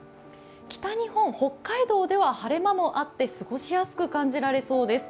北日本、北海道では晴れ間もあって過ごしやすく感じられそうです。